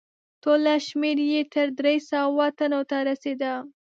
ټوله شمیر یې تر درې سوه تنو ته رسیده.